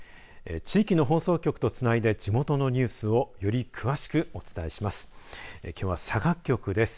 地域の放送局とつないで地元のニュースをより詳しくお伝えします。